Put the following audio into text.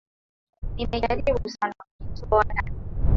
nimejaribu sana kujitoa ndani